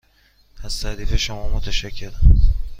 از تعریف شما متشکرم.